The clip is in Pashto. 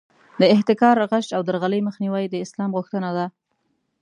د احتکار، غش او درغلۍ مخنیوی د اسلام غوښتنه ده.